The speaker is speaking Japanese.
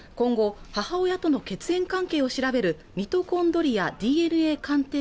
今後母親との血縁関係を調べるミトコンドリア